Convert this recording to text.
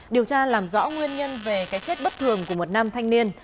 điều tra làm rõ nguyên nhân về cái chết bất thường của một nam thanh niên